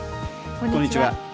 こんにちは。